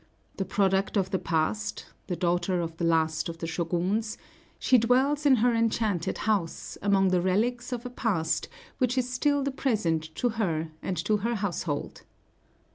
The product of the past, the daughter of the last of the Shōguns, she dwells in her enchanted house, among the relics of a past which is still the present to her and to her household.